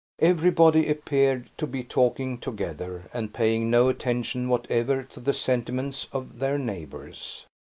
Everybody appeared to be talking together, and paying no attention whatever to the sentiments of their neighbors.